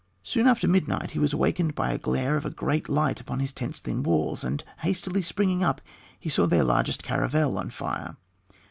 Soon after midnight he was awakened by a glare of a great light upon his tent's thin walls, and hastily springing up, he saw their largest caravel on fire.